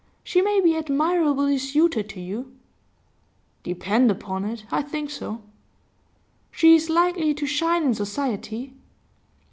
She may be admirably suited to you.' 'Depend upon it, I think so.' 'She's likely to shine in society?